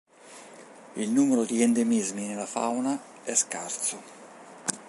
Il numero di endemismi nella fauna è scarso.